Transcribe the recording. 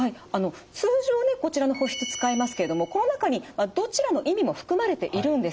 通常ねこちらの保湿使いますけれどもこの中にどちらの意味も含まれているんです。